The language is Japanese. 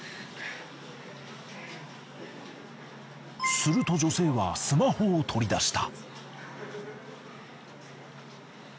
すると女性はスマホを取り出した。